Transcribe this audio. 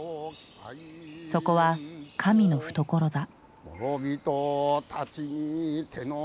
そこは神の懐だ。